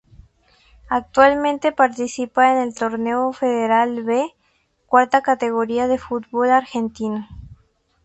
Actualmente participa en el Torneo Federal B, cuarta categoría del fútbol argentino.